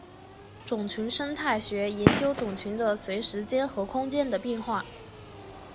种群生态学研究种群的随时间和空间的变化。